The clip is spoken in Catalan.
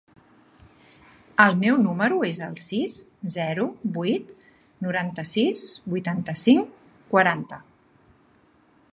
El meu número es el sis, zero, vuit, noranta-sis, vuitanta-cinc, quaranta.